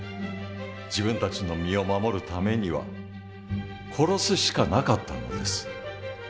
自分たちの身を守るためには殺すしかなかったのです。